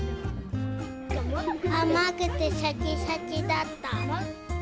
甘くてしゃきしゃきだった。